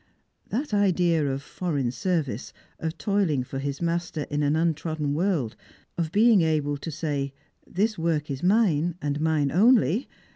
That idea of foreign service, of toiling for his Master in an un trodden world, of being able to say, " This work is mine, and mme only